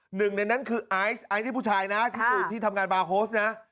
หนึ่งในนั้นคือไอซ์ไอซ์นี่ผู้ชายนะที่ทำงานบาร์โฮสนะ